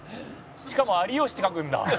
「しかも“アリヨシ”って書くんだ」